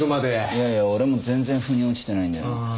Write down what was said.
いやいや俺も全然腑に落ちてないんだよな。